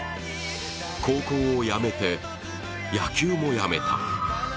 高校を辞めて、野球もやめた。